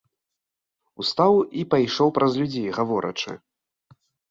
Устаў і пайшоў праз людзей, гаворачы.